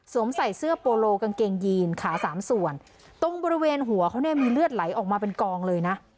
ใส่เสื้อโปโลกางเกงยีนขาสามส่วนตรงบริเวณหัวเขาเนี่ยมีเลือดไหลออกมาเป็นกองเลยนะ